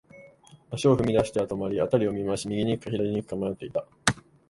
足を踏み出しては止まり、辺りを見回し、右に行くか、左に行くか迷っていた。